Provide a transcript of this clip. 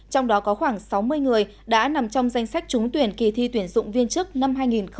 trong đó có khoảng sáu mươi người đã nằm trong danh sách trúng tuyển kỳ thi tuyển dụng viên chức năm hai nghìn hai mươi